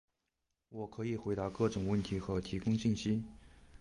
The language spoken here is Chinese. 我可以回答各种问题和提供信息。